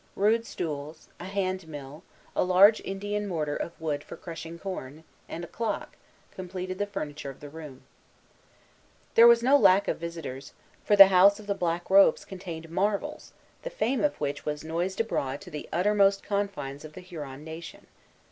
Rude stools, a hand mill, a large Indian mortar of wood for crushing corn, and a clock, completed the furniture of the room. See Introduction. There was no lack of visitors, for the house of the black robes contained marvels the fame of which was noised abroad to the uttermost confines of the Huron nation.